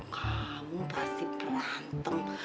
kamu pasti berantem